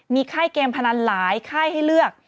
มีไข้เกมพนันหลายไข้ให้เลือก